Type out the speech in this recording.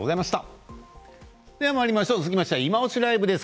では続きまして「いまオシ！ＬＩＶＥ」です。